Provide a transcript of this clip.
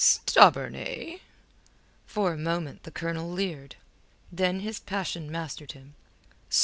"Stubborn, eh?" For a moment the Colonel leered. Then his passion mastered him.